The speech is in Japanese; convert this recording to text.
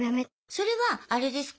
それはあれですか？